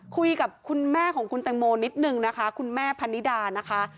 คุยกับคุณแม่ของคุณแตงโมนิดนึงนะคะคุณแม่พันนิดานะคะ